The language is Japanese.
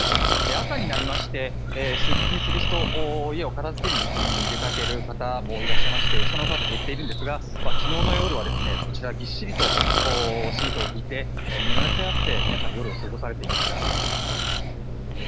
朝になりまして出勤する人家を片付けに出かける方もいらっしゃいまして人の数は減っているんですが昨日の夜はこちらぎっしりとシートを敷いて身を寄せ合って皆さん夜を過ごされていました。